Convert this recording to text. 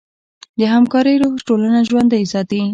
د همکارۍ روح ټولنه ژوندۍ ساتي.